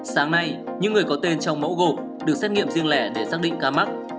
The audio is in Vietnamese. sáng nay những người có tên trong mẫu gộp được xét nghiệm riêng lẻ để xác định ca mắc